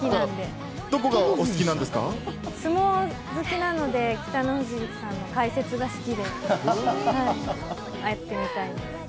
相撲が好きなんで、北の富士さんの解説が好きで、会ってみたいです。